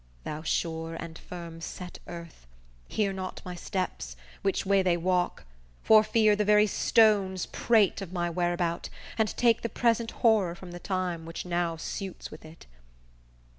Thou sure and firm set earth Hear not my steps, which way they walk, for fear The very stones prate of my whereabout, And take the present horror from the time, Which now suits with it.